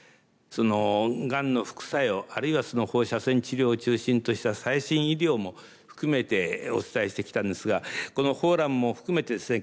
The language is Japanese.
がんの副作用あるいは放射線治療を中心とした最新医療も含めてお伝えしてきたんですがこのフォーラムも含めてですね